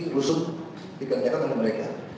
rusuk diberikan kepada mereka